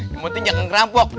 yang penting jangan kerampok